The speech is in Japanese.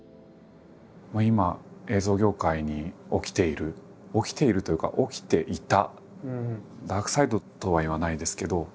今映像業界に起きている起きているというか起きていたダークサイドとは言わないですけど。